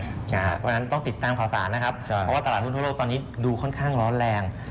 เพราะฉะนั้นต้องติดตามข่าวสารนะครับเพราะว่าตลาดหุ้นทั่วโลกตอนนี้ดูค่อนข้างร้อนแรง